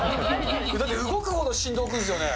だって、動くほど振動来るんですよね。